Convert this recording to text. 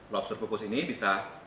lobster kukus ini bisa